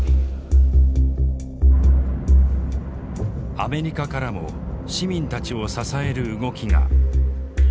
アメリカからも市民たちを支える動きが。